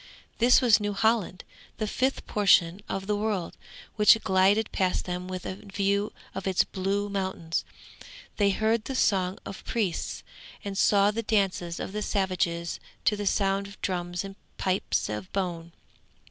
This was New Holland, the fifth portion of the world, which glided past them with a view of its blue mountains. They heard the song of priests, and saw the dances of the savages to the sound of drums and pipes of bone.